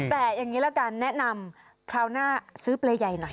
แต่อย่างนี้ละกันแนะนำคราวหน้าซื้อเปรย์ใหญ่หน่อย